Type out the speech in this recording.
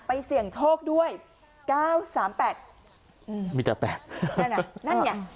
ไปเสี่ยงโชคด้วยเก้าสามแปดอืมมีแต่แปดนั่นไงนั่นเนี้ย